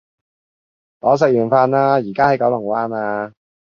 我食完飯啦，依家喺九龍灣啊